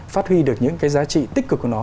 phát huy được những cái giá trị tích cực của nó